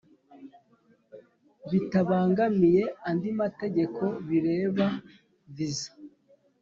Bitabangamiye andi mategeko bireba viza